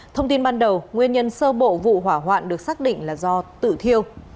thông tin ban đầu nguyên nhân sơ bộ vụ hỏa hoạn được xác định là do tự thiêu